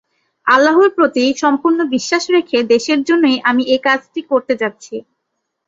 আল্লাহর প্রতি সম্পূর্ণ বিশ্বাস রেখে দেশের জন্যই আমি এ কাজটি করতে যাচ্ছি।